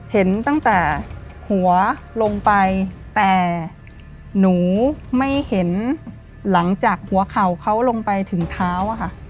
เห็นตั้งแต่หัวลงไปแต่หนูไม่เห็นหลังจากหัวเข่าเขาลงไปถึงเท้าอะค่ะ